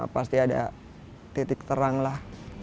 pasti ada titik terang lah